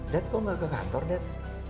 dad kau enggak ke kantor dad